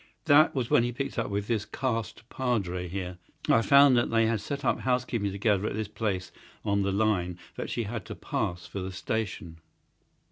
That was when he picked up with this cast padre here. I found that they had set up house keeping together at this place on the line that she had to pass for the station.